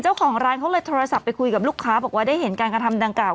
เจ้าของร้านเขาเลยโทรศัพท์ไปคุยกับลูกค้าบอกว่าได้เห็นการกระทำดังกล่า